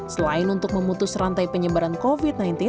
selain untuk memutus rantai penyebaran covid sembilan belas